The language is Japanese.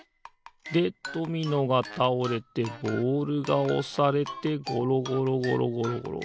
でドミノがたおれてボールがおされてごろごろごろごろ。